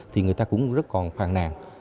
thì người ta cũng rất còn phàn nàn